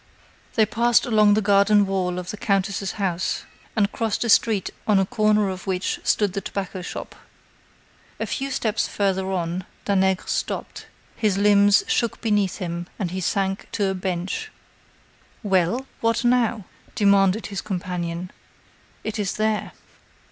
They passed along the garden wall of the countess' house, and crossed a street on a corner of which stood the tobacco shop. A few steps further on, Danègre stopped; his limbs shook beneath him, and he sank to a bench. "Well! what now?" demanded his companion. "It is there."